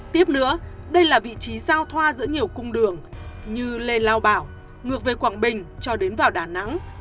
tiếp nữa đây là vị trí giao thoa giữa nhiều cung đường như lê lao bảo ngược về quảng bình cho đến vào đà nẵng